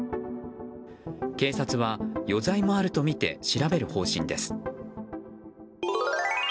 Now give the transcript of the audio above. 警察は、余罪もあるとみて調べる方針です。